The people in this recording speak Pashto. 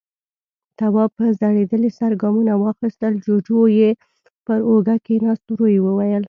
تواب په ځړېدلي سر ګامونه واخيستل، جُوجُو يې پر اوږه کېناست، ورو يې وويل: